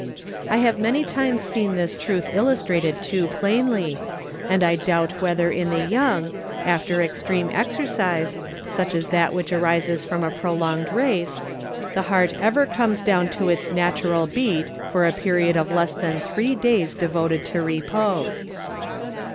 I have many times seen this truth illustrated too plainly, and I doubt whether in the young, after extreme exercise, such as that which arises from a prolonged race, the heart ever comes down to its natural beat for a period of less than three days devoted to repose.